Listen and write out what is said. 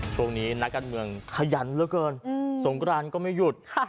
ตอนนี้นักการเมืองขยันแล้วกันอืมสงกรานก็ไม่หยุดค่ะ